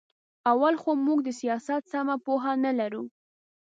اول خو موږ د سیاست سمه پوهه نه لرو.